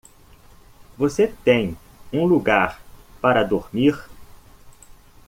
Você tem um lugar para dormir?